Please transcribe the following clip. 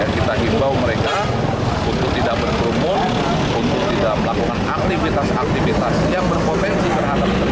kita himbau mereka untuk tidak berkerumun untuk tidak melakukan aktivitas aktivitas yang berpotensi terhadap